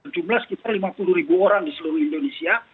jumlah sekitar lima puluh ribu orang di seluruh indonesia